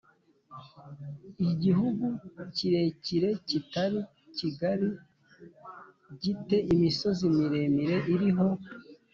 igihugu kirekire kitari kigari gi te imisozi miremire iriho